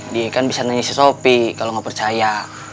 dia kan bisa nanyain sopi kalau gak percaya